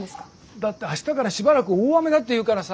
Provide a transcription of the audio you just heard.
だって明日からしばらく大雨だっていうからさ。